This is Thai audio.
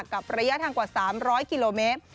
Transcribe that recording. กับระยะทางกว่าสามร้อยกิโลเมตร